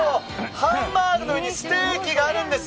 ハンバーグの上にステーキがあるんです！